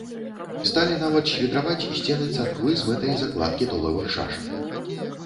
Сталі нават свідраваць сцены царквы з мэтай закладкі толавых шашак.